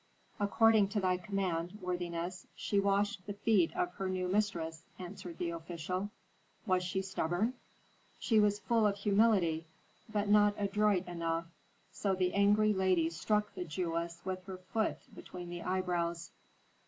"According to thy command, worthiness, she washed the feet of her new mistress," answered the official. "Was she stubborn?" "She was full of humility, but not adroit enough; so the angry lady struck the Jewess with her foot between the eyebrows."